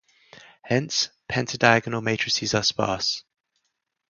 Hence, pentadiagonal matrices are sparse.